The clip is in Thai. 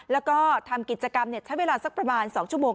แล้วก็ทำกิจกรรมใช้เวลาสักประมาณ๒ชั่วโมง